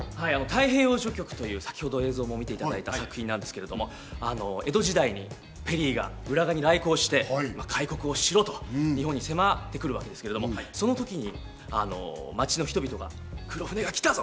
『太平洋序曲』という、さっきＶＴＲでも見ていただいた作品なんですけど、江戸時代にペリーが黒船に乗って開港しろと迫ってきたわけですけど、その時に町の人々が黒船が来たぞ！